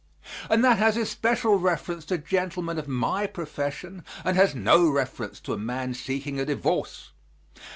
And that has especial reference to gentlemen of my profession, and has no reference to a man seeking a divorce.